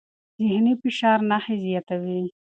ذهني فشار نښې زیاتوي.